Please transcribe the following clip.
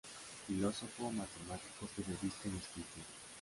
Filósofo, matemático, periodista y escritor.